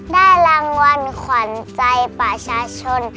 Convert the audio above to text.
ได้รางวัลขวัญใจประชาชน